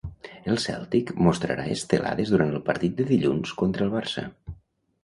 El Cèltic mostrarà estelades durant el partit de dilluns contra el Barça.